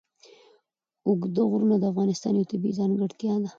اوږده غرونه د افغانستان یوه طبیعي ځانګړتیا ده.